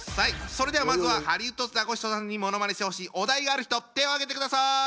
それではまずはハリウッドザコシショウさんにものまねしてほしいお題がある人手を挙げてください。